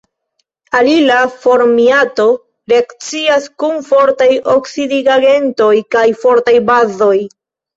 Alila formiato reakcias kun fortaj oksidigagentoj kaj fortaj bazoj.